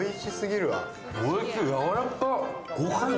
やわらか。